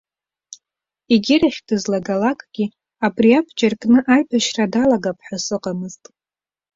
Егьырахь дызлагалакгьы абри абџьар кны аибашьра далагап ҳәа сыҟамызт.